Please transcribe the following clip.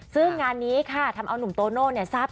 ซึ่งงานนี้ค่ะทำเอานุ่มโตโน่เนี่ยทราบ